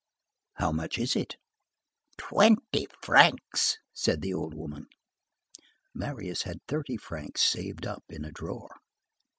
"How much is it?" "Twenty francs," said the old woman. Marius had thirty francs saved up in a drawer.